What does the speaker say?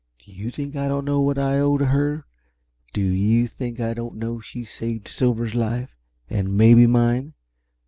Do you think I don't know what I owe to her? Do you think I don't know she saved Silver's life and maybe mine?